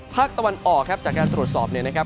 ภาคตะวันออกครับจากการตรวจสอบเนี่ยนะครับ